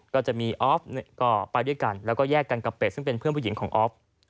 ก็จะมีออฟก็ไปด้วยกันแล้วก็แยกกันกับเป็ดซึ่งเป็นเพื่อนผู้หญิงของออฟ